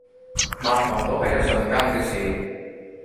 抹汗都係一瞬間嘅事